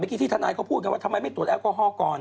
เมื่อกี้ที่ท่านายเขาพูดกันว่าทำไมไม่ตรวจแอลกอฮอล์ก่อน